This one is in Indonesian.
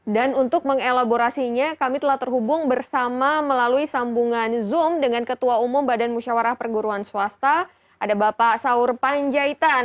dan untuk mengelaborasinya kami telah terhubung bersama melalui sambungan zoom dengan ketua umum badan musyawarah perguruan swasta ada bapak saur panjaitan